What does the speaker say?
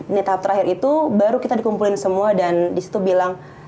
ini tahap terakhir itu baru kita dikumpulin semua dan disitu bilang